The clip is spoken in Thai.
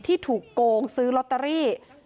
ที่ถูกโกงซื้อลอตเตอรี่